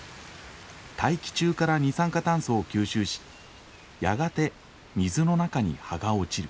大気中から二酸化炭素を吸収しやがて水の中に葉が落ちる。